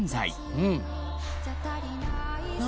うん。